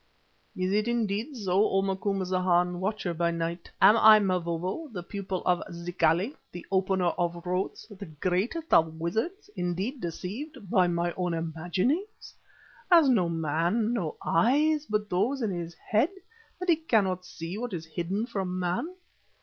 "Is it indeed so, O Macumazana, Watcher by Night? Am I, Mavovo, the pupil of Zikali, the Opener of Roads, the greatest of wizards, indeed deceived by my own imaginings? And has man no other eyes but those in his head, that he cannot see what is hidden from man?